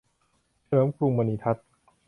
เฉลิมกรุงมณีทัศน์